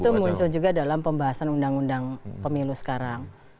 itu muncul juga dalam pembahasan undang undang pemilu sekarang